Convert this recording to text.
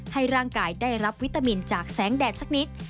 ให้ร่างกายได้รับวิตามินจากแสงแดดสักนิด